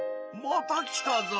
また来たぞ！